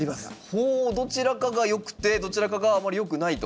ほおどちらかが良くてどちらかがあまり良くないと。